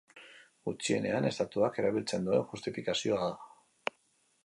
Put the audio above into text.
Gutxienean, estatuak erabiltzen duen justifikazioa da.